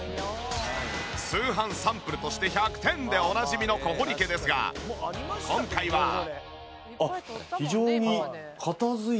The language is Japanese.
通販サンプルとして１００点でおなじみの小堀家ですが今回は。あっ非常に片付いてる感じありますね。